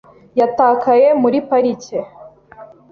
Yatakaye muri parike .